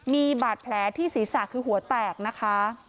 มีบาดแผลที่ศีรษะคือหัวแตกนะคะ